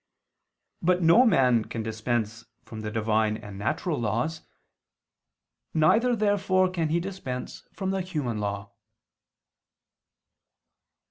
But no man can dispense from the Divine and natural laws. Neither, therefore, can he dispense from the human law.